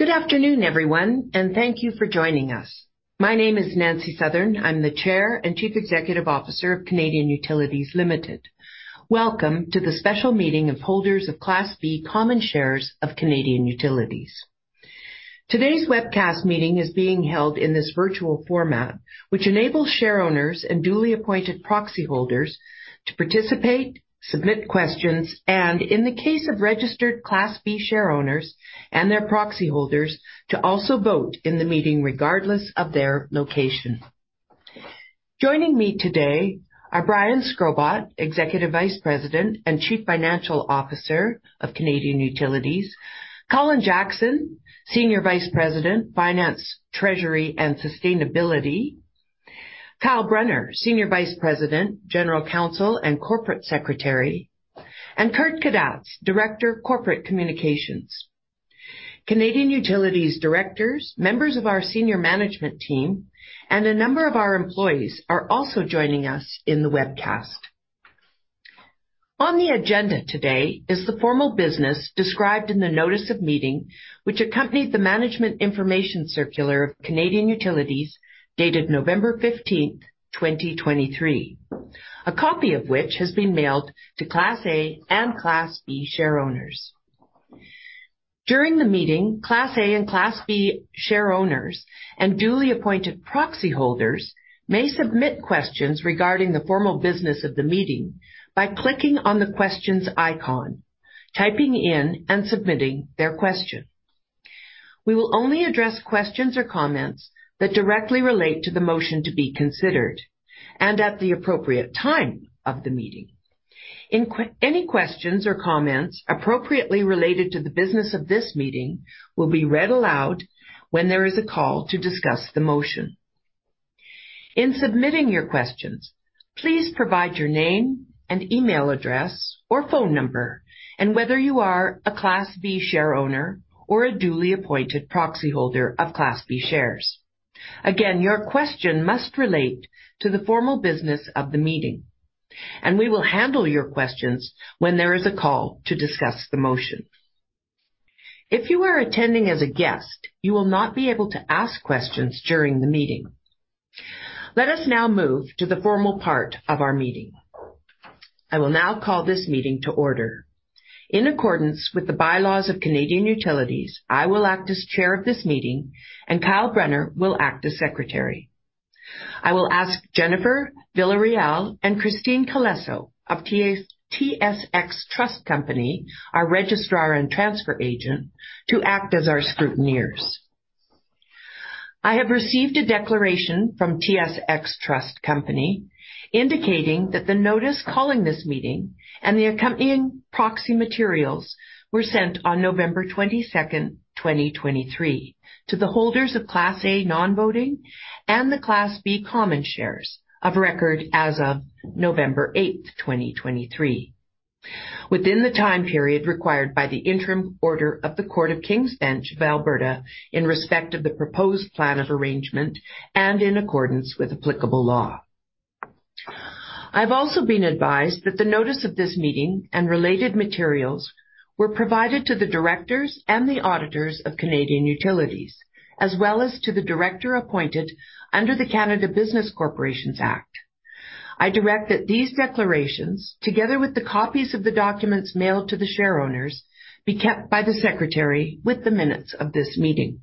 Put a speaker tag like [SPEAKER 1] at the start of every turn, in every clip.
[SPEAKER 1] Good afternoon, everyone, and thank you for joining us. My name is Nancy Southern. I'm the Chair and Chief Executive Officer of Canadian Utilities Limited. Welcome to the special meeting of holders of Class B common shares of Canadian Utilities. Today's webcast meeting is being held in this virtual format, which enables shareowners and duly appointed proxy holders to participate, submit questions, and in the case of registered Class B shareowners and their proxy holders, to also vote in the meeting regardless of their location. Joining me today are Brian Shkrobot, Executive Vice President and Chief Financial Officer of Canadian Utilities. Colin Jackson, Senior Vice President, Finance, Treasury, and Sustainability. Kyle Brunner, Senior Vice President, General Counsel, and Corporate Secretary, and Kurt Kadatz, Director of Corporate Communications. Canadian Utilities directors, members of our senior management team, and a number of our employees are also joining us in the webcast. On the agenda today is the formal business described in the notice of meeting, which accompanied the Management Information Circular of Canadian Utilities, dated November 15th, 2023. A copy of which has been mailed to Class A and Class B shareowners. During the meeting, Class A and Class B shareowners and duly appointed proxy holders may submit questions regarding the formal business of the meeting by clicking on the questions icon, typing in, and submitting their question. We will only address questions or comments that directly relate to the motion to be considered and at the appropriate time of the meeting. Any questions or comments appropriately related to the business of this meeting will be read aloud when there is a call to discuss the motion. In submitting your questions, please provide your name and email address or phone number, and whether you are a Class B shareowner or a duly appointed proxy holder of Class B shares. Again, your question must relate to the formal business of the meeting, and we will handle your questions when there is a call to discuss the motion. If you are attending as a guest, you will not be able to ask questions during the meeting. Let us now move to the formal part of our meeting. I will now call this meeting to order. In accordance with the bylaws of Canadian Utilities, I will act as Chair of this meeting, and Kyle Brunner will act as Secretary. I will ask Jennifer Villarreal and Christine Colesso of TS, TSX Trust Company, our registrar and transfer agent, to act as our scrutineers. I have received a declaration from TSX Trust Company indicating that the notice calling this meeting and the accompanying proxy materials were sent on November 22, 2023, to the holders of Class A Non-Voting and the Class B Common Shares of record as of November 8, 2023, within the time period required by the interim order of the Court of King's Bench of Alberta, in respect of the proposed plan of arrangement and in accordance with applicable law. I've also been advised that the notice of this meeting and related materials were provided to the directors and the auditors of Canadian Utilities, as well as to the director appointed under the Canada Business Corporations Act. I direct that these declarations, together with the copies of the documents mailed to the shareowners, be kept by the Secretary with the minutes of this meeting.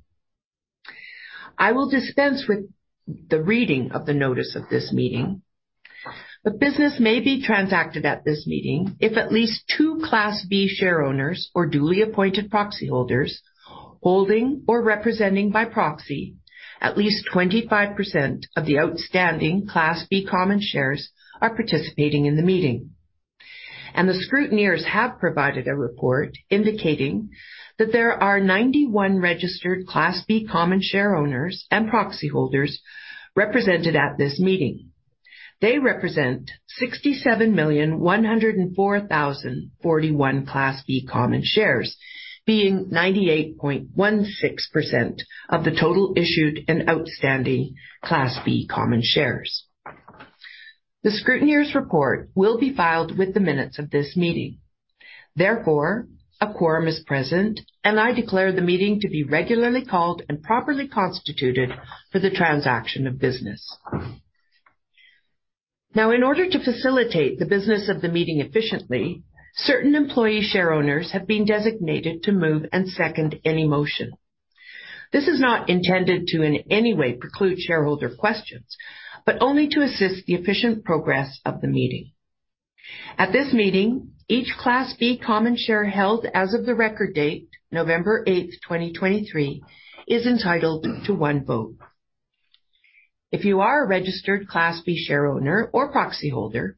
[SPEAKER 1] I will dispense with the reading of the notice of this meeting. Business may be transacted at this meeting if at least 2 Class B shareowners or duly appointed proxy holders, holding or representing by proxy, at least 25% of the outstanding Class B Common Shares are participating in the meeting. The scrutineers have provided a report indicating that there are 91 registered Class B common shareowners and proxy holders represented at this meeting. They represent 67,104,041 Class B Common Shares, being 98.16% of the total issued and outstanding Class B Common Shares. The scrutineers' report will be filed with the minutes of this meeting. Therefore, a quorum is present, and I declare the meeting to be regularly called and properly constituted for the transaction of business. Now, in order to facilitate the business of the meeting efficiently, certain employee shareowners have been designated to move and second any motion. This is not intended to in any way preclude shareholder questions, but only to assist the efficient progress of the meeting. At this meeting, each Class B Common Share held as of the record date, November 8, 2023, is entitled to one vote. If you are a registered Class B shareowner or proxy holder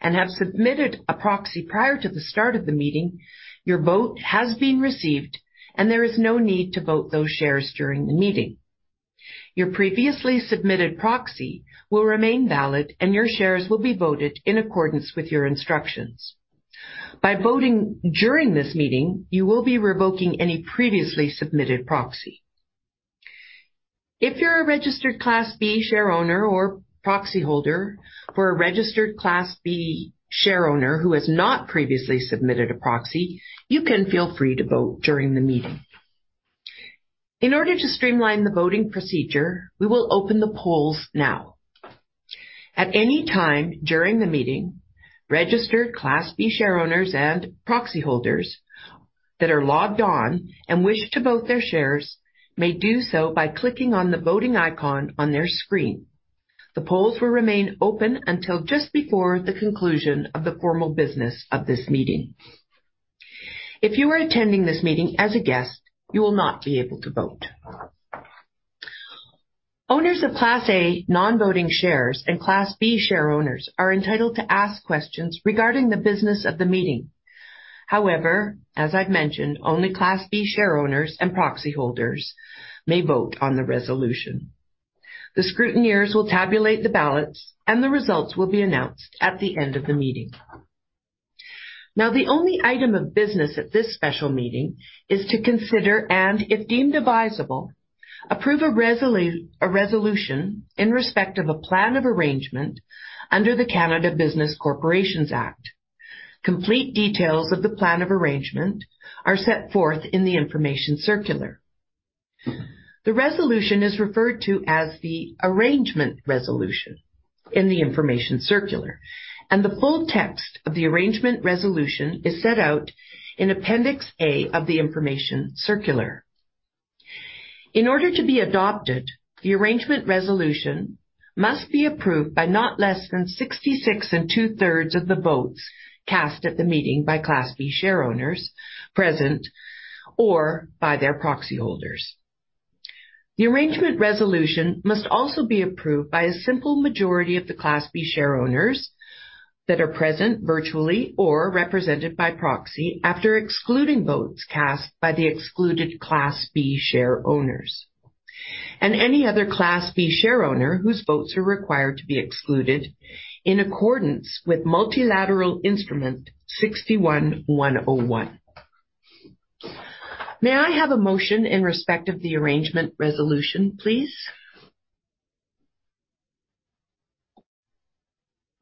[SPEAKER 1] and have submitted a proxy prior to the start of the meeting, your vote has been received and there is no need to vote those shares during the meeting. Your previously submitted proxy will remain valid, and your shares will be voted in accordance with your instructions. By voting during this meeting, you will be revoking any previously submitted proxy. If you're a registered Class B share owner or proxy holder for a registered Class B share owner who has not previously submitted a proxy, you can feel free to vote during the meeting. In order to streamline the voting procedure, we will open the polls now. At any time during the meeting, registered Class B share owners and proxy holders that are logged on and wish to vote their shares may do so by clicking on the voting icon on their screen. The polls will remain open until just before the conclusion of the formal business of this meeting. If you are attending this meeting as a guest, you will not be able to vote. Owners of Class A Non-Voting Shares and Class B share owners are entitled to ask questions regarding the business of the meeting. However, as I've mentioned, only Class B share owners and proxy holders may vote on the resolution. The scrutineers will tabulate the ballots, and the results will be announced at the end of the meeting. Now, the only item of business at this special meeting is to consider, and if deemed advisable, approve a resolution in respect of a plan of arrangement under the Canada Business Corporations Act. Complete details of the plan of arrangement are set forth in the information circular. The resolution is referred to as the arrangement resolution in the information circular, and the full text of the arrangement resolution is set out in Appendix A of the information circular. In order to be adopted, the arrangement resolution must be approved by not less than 66 2/3 of the votes cast at the meeting by Class B share owners present or by their proxy holders. The arrangement resolution must also be approved by a simple majority of the Class B share owners that are present, virtually, or represented by proxy, after excluding votes cast by the excluded Class B share owners and any other Class B share owner whose votes are required to be excluded in accordance with Multilateral Instrument 61-101. May I have a motion in respect of the arrangement resolution, please?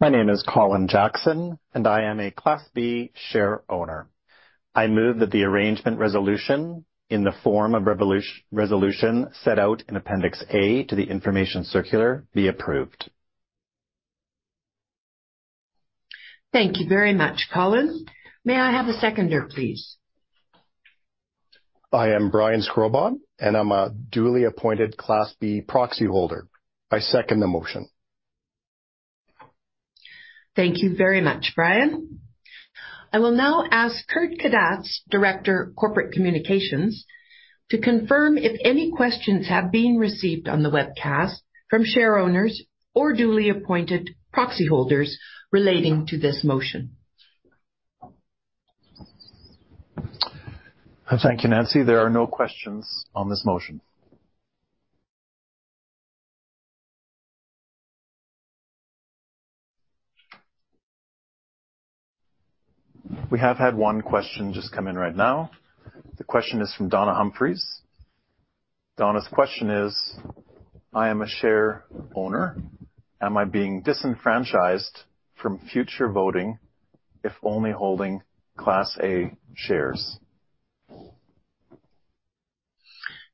[SPEAKER 2] My name is Colin Jackson, and I am a Class B share owner. I move that the arrangement resolution in the form of resolution set out in Appendix A to the information circular be approved.
[SPEAKER 1] Thank you very much, Colin. May I have a seconder, please? I am Brian Shkrobot, and I'm a duly appointed Class B proxy holder. I second the motion. Thank you very much, Brian. I will now ask Kurt Kadatz, Director, Corporate Communications, to confirm if any questions have been received on the webcast from share owners or duly appointed proxy holders relating to this motion.
[SPEAKER 3] Thank you, Nancy. There are no questions on this motion. We have had one question just come in right now. The question is from Donna Humphries. Donna's question is: I am a shareowner. Am I being disenfranchised from future voting if only holding Class A shares?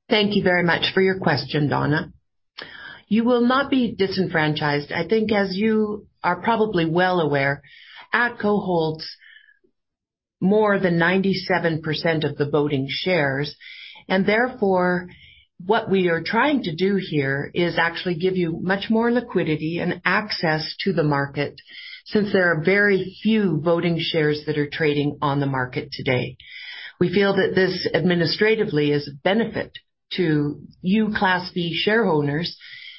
[SPEAKER 1] Thank you very much for your question, Donna. You will not be disenfranchised. I think, as you are probably well aware, ATCO holds more than 97% of the voting shares, and therefore, what we are trying to do here is actually give you much more liquidity and access to the market, since there are very few voting shares that are trading on the market today. We feel that this administratively is a benefit to you, Class B shareholders,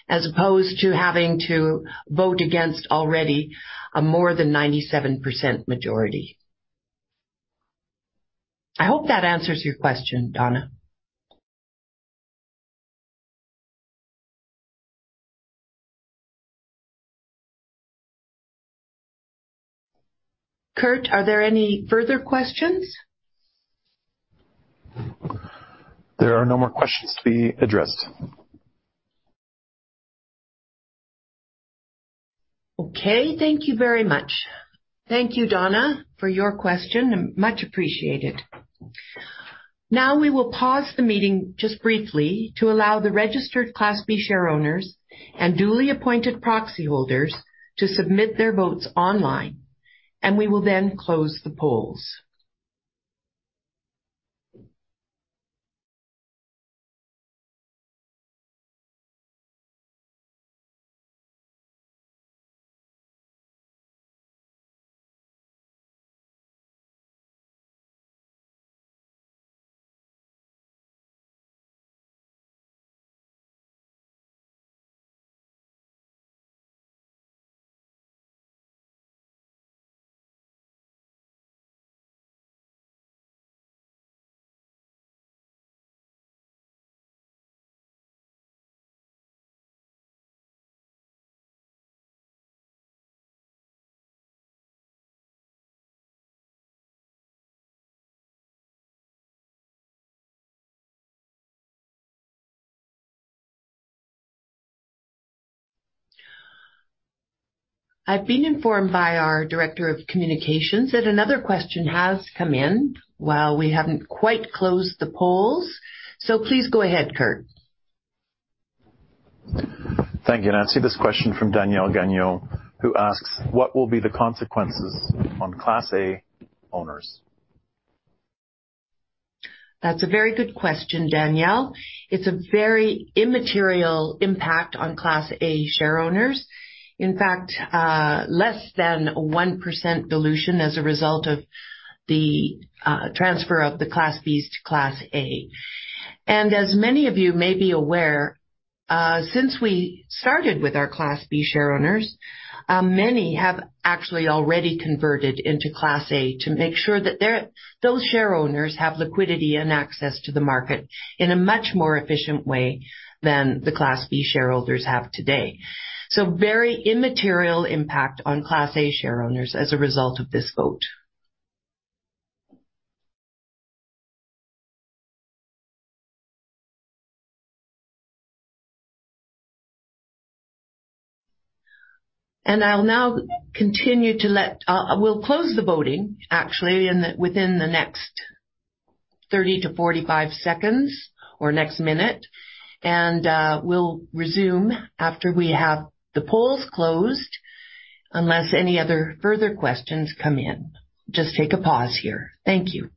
[SPEAKER 1] as opposed to having to vote against already a more than 97% majority. I hope that answers your question, Donna. Kurt, are there any further questions?
[SPEAKER 3] There are no more questions to be addressed.
[SPEAKER 1] Okay, thank you very much. Thank you, Donna, for your question, and much appreciated. Now, we will pause the meeting just briefly to allow the registered Class B share owners and duly appointed proxy holders to submit their votes online, and we will then close the polls. ... I've been informed by our Director of Communications that another question has come in while we haven't quite closed the polls. So please go ahead, Kurt.
[SPEAKER 3] Thank you, Nancy. This question from Danielle Gagnon, who asks: What will be the consequences on Class A owners?
[SPEAKER 1] That's a very good question, Danielle. It's a very immaterial impact on Class A share owners. In fact, less than 1% dilution as a result of the transfer of the Class B's to Class A. And as many of you may be aware, since we started with our Class B share owners, many have actually already converted into Class A to make sure that their-- those share owners have liquidity and access to the market in a much more efficient way than the Class B shareholders have today. So very immaterial impact on Class A share owners as a result of this vote. And I'll now continue to let-- we'll close the voting actually, in the within the next 30-45 seconds or next minute, and we'll resume after we have the polls closed, unless any other further questions come in. Just take a pause here. Thank you.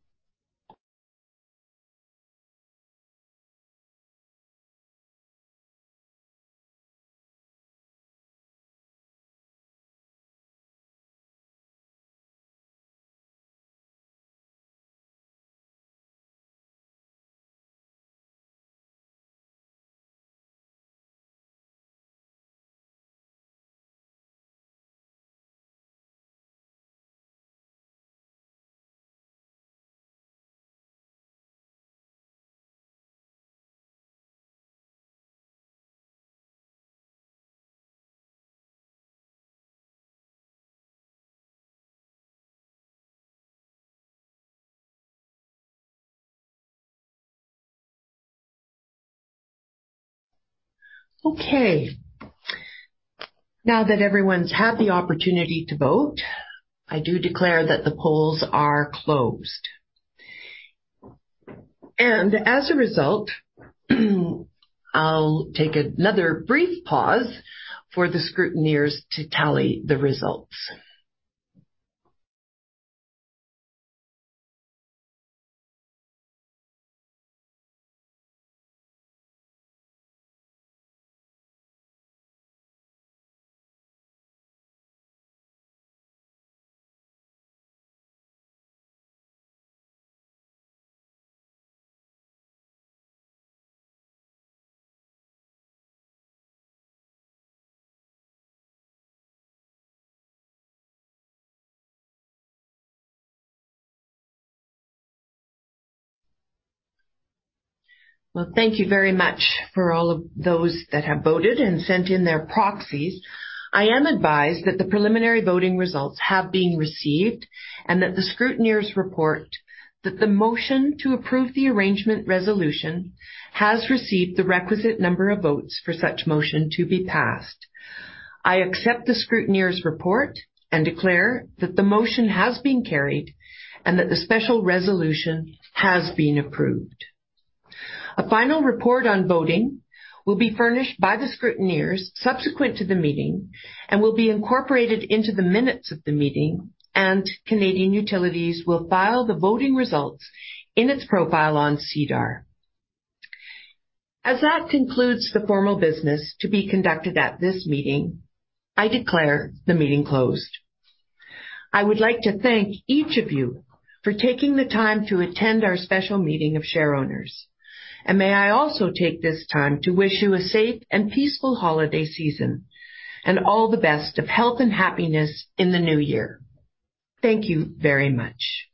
[SPEAKER 1] Okay. Now that everyone's had the opportunity to vote, I do declare that the polls are closed. As a result, I'll take another brief pause for the scrutineers to tally the results. Well, thank you very much for all of those that have voted and sent in their proxies. I am advised that the preliminary voting results have been received, and that the scrutineers report that the motion to approve the arrangement resolution has received the requisite number of votes for such motion to be passed. I accept the scrutineers' report and declare that the motion has been carried and that the special resolution has been approved. A final report on voting will be furnished by the scrutineers subsequent to the meeting and will be incorporated into the minutes of the meeting, and Canadian Utilities will file the voting results in its profile on SEDAR. As that concludes the formal business to be conducted at this meeting, I declare the meeting closed. I would like to thank each of you for taking the time to attend our special meeting of share owners. May I also take this time to wish you a safe and peaceful holiday season, and all the best of health and happiness in the new year. Thank you very much.